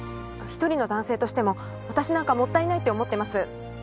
１人の男性としても私なんかもったいないって思ってます。